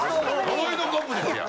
呪いのコップですやん。